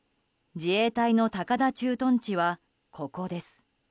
自衛隊の高田駐屯地はここです。